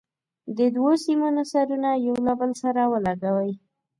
د دوو سیمونو سرونه یو له بل سره ولګوئ.